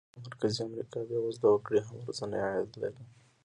د افریقا او مرکزي امریکا بېوزله وګړي هم ورځنی عاید لري.